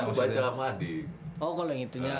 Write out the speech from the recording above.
gak sengaja kan aku baca sama adik